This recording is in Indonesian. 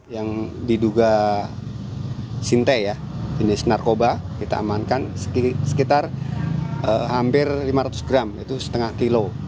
yang diduga sinte ya jenis narkoba kita amankan sekitar hampir lima ratus gram itu setengah kilo